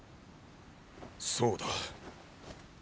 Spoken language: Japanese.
そうだ。